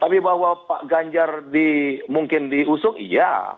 tapi bahwa pak ganjar mungkin diusung iya